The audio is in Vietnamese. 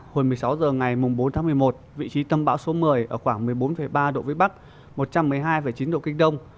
hồi một mươi sáu h ngày bốn tháng một mươi một vị trí tâm bão số một mươi ở khoảng một mươi bốn ba độ vĩ bắc một trăm một mươi hai chín độ kinh đông